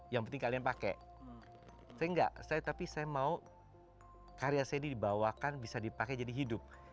yang penting kalian pakai tapi enggak tapi saya mau karya saya dibawakan bisa dipakai jadi hidup